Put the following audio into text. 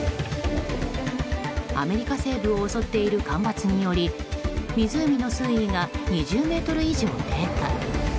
アメリカ西部を襲っている干ばつにより湖の水位が２０ｍ以上低下。